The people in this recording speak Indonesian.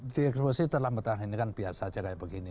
dieksekusi terlambat dalam ini kan biasa saja kayak begini